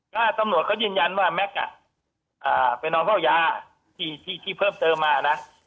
ก็สำนวนเขายินยันว่าแม็กซ์อ่ะอ่าไปนอนเฝ้ายาที่ที่ที่เพิ่มเตอร์มานะ